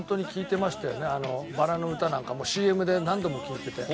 薔薇の歌なんかもＣＭで何度も聴いてて。